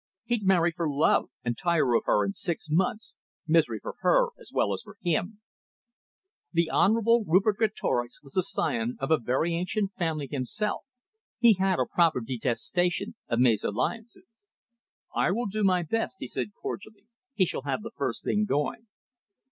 He'd marry for love, and tire of her in six months, misery for her as well as for him." The Honourable Rupert Greatorex was the scion of a very ancient family himself. He had a proper detestation of mesalliances. "I will do my best," he said cordially. "He shall have the first thing going."